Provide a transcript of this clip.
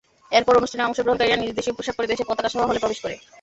এরপর অনুষ্ঠানে অংশগ্রহণকারীরা নিজ দেশীয় পোশাক পরে দেশের পতাকাসহ হলে প্রবেশ করে।